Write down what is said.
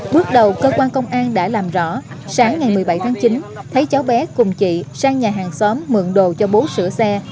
bước đầu cơ quan công an đã làm rõ sáng ngày một mươi bảy tháng chín thấy cháu bé cùng chị sang nhà hàng xóm mượn đồ cho bố sửa xe